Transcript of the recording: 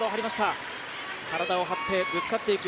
体を張ってぶつかっていく